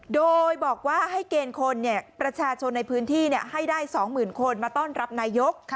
โดยบอกว่าให้เกณฑ์คนประชาชนในพื้นที่ให้ได้๒๐๐๐คนมาต้อนรับนายก